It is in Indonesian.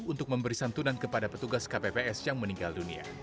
untuk memberi santunan kepada petugas kpps yang meninggal dunia